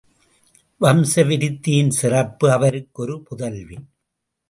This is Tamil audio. வம்ச விருத்தியின் சிறப்பு அவருக்கு ஒரு புதல்வி.